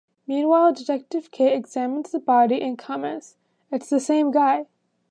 Meanwhile, detective Kate examines the body and comments, "it's the same guy".